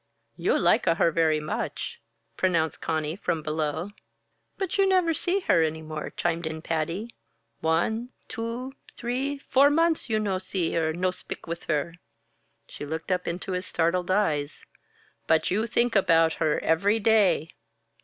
"You like a her very much," pronounced Conny from below. "But you never see her any more," chimed in Patty. "One two three four months, you no see her, no spik with her." She looked up into his startled eyes. "_But you think about her every day!